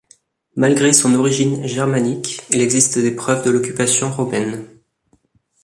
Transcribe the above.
Malgré son origine germanique, il existe des preuves de l'occupation romaine.